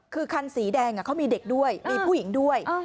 คือคันสีแดงเขามีเด็กด้วยมีผู้หญิงด้วย